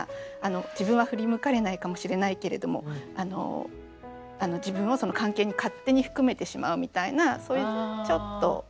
自分は振り向かれないかもしれないけれども自分をその関係に勝手に含めてしまうみたいなそういうちょっと。